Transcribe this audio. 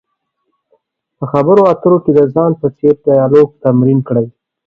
په خبرو اترو کې د ځان په څېر ډیالوګ تمرین کړئ.